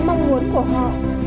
mong muốn của họ